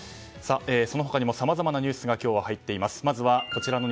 その他にもさまざまなニュースが入っています。